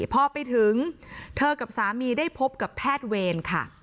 พอไปถึงเธอกับสามีได้พบกับแพทย์เวรค่ะ